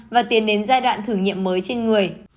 và tiến đến giai đoạn thử nghiệm mới trên người